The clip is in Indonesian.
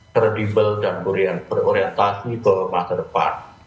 kredibel dan berorientasi ke masa depan